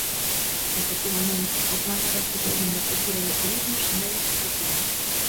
Efectivamente, o plan de reactivación da cultura e do turismo semella insuficiente.